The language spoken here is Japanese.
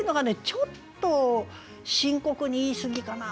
ちょっと深刻に言いすぎかな。